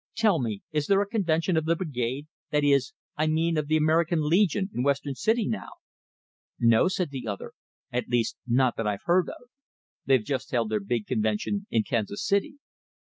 "Tell me, is there a convention of the Brigade that is, I mean, of the American Legion in Western City now?" "No," said the other; "at least, not that I've heard of. They've just held their big convention in Kansas City."